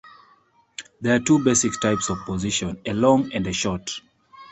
There are two basic types of position: a "long" and a "short".